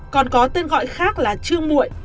còn có tên gọi khác là trương mụi